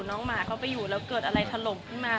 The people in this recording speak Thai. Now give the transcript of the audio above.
หมาเขาไปอยู่แล้วเกิดอะไรถล่มขึ้นมา